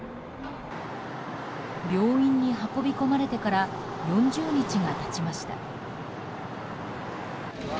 病院に運び込まれてから４０日が経ちました。